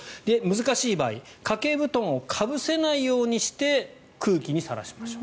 難しい場合、掛け布団をかぶせないようにして空気にさらしましょう。